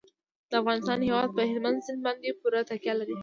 د افغانستان هیواد په هلمند سیند باندې پوره تکیه لري.